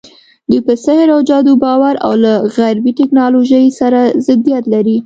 دوی پر سحر او جادو باور او له غربي ټکنالوژۍ سره ضدیت لري.